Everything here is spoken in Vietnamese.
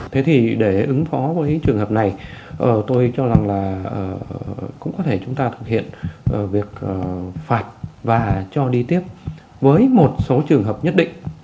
thế thì để ứng phó với trường hợp này tôi cho rằng là cũng có thể chúng ta thực hiện việc phạt và cho đi tiếp với một số trường hợp nhất định